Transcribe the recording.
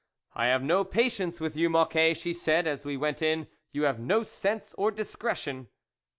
" I have no patience with you, Moc quet," she said, as we went in, " you have no sense or discretion."